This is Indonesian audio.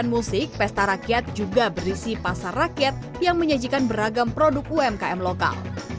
dan musik pesta rakyat juga berisi pasar rakyat yang menyajikan beragam produk umkm lokal